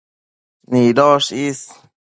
nidosh is